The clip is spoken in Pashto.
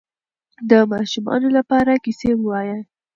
د ماشومانو لپاره کیسې ووایئ.